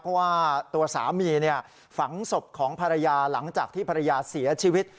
เพราะว่าตัวสามีฝังศพของภรรยาหลังจากที่ภรรยาเสียชีวิต